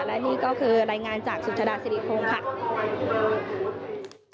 และนี่ก็คือรายงานจากสุชาดาสิริคงค่ะ